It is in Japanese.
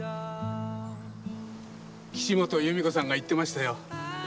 岸本由美子さんが言ってましたよ。